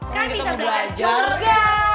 kan bisa berada di jorga